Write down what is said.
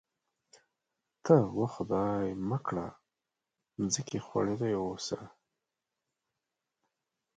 ته وا خدای مه کړه مځکې خوړلي اوسي.